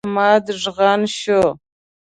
احمد ږغن شو.